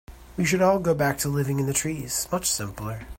We should all go back to living in the trees, much simpler.